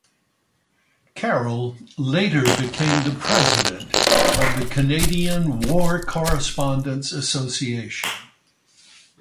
Carroll later became the president of the Canadian War Correspondents Association.